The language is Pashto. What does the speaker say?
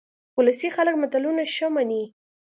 ولسي خلک متلونه ښه مني